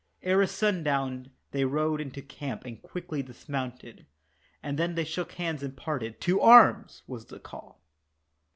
Ere sundown they rode into camp and quickly dismounted, And then they shook hands and parted, "To arms!" was the call.